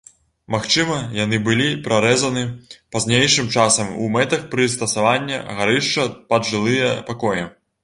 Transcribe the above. Магчыма, яны былі прарэзаны пазнейшым часам у мэтах прыстасавання гарышча пад жылыя пакоі.